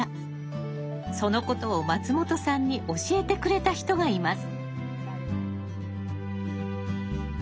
そのことを松本さんに教えてくれた人がいます。